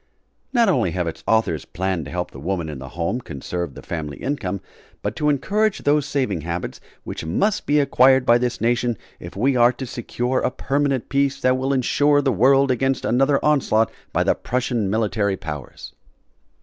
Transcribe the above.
Not only have its authors planned to help the woman in the home, conserve the family income, but to encourage those saving habits which must be acquired by this nation if we are to secure a permanent peace that will insure the world against another onslaught by the Prussian military powers.